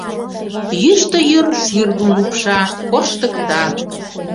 Йӱштӧ йӱр шӱргым лупша, корштыкта.